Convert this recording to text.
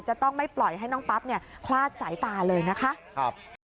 จะต้องไม่ปล่อยให้น้องปั๊บเนี่ยคลาดสายตาเลยนะคะ